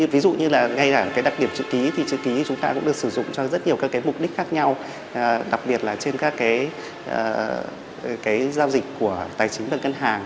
ví dụ như đặc điểm chữ ký chúng ta cũng được sử dụng cho rất nhiều mục đích khác nhau đặc biệt là trên các giao dịch của tài chính và cân hàng